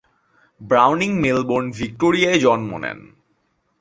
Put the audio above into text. Browning Melbourne, ভিক্টোরিয়ায় জন্ম নেন।